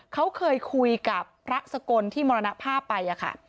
เขาเคยคุยกับพระสกลที่มรณภาพไปค่ะ